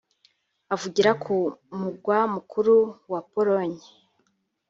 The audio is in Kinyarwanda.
Avugira ku mugwa mukuru wa Pologne